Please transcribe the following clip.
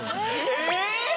え！